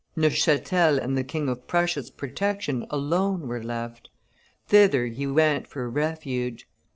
Neuchatel and the King of Prussia's protection alone were left; thither he went for refuge.